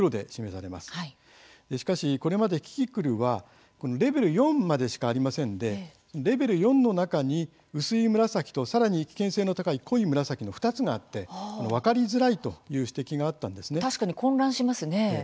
しかし、これまでキキクルはレベル４までしかありませんでレベル４の中に、薄い紫とさらに危険性の高い濃い紫の２つがあって分かりづらいという指摘が確かに混乱しますね。